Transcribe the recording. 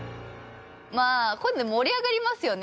まあこういうの盛り上がりますよね